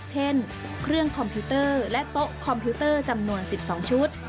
เช่นเครื่องคอมพิวเตอร์และโต๊ะคอมพิวเตอร์จำนวน๑๒ชุด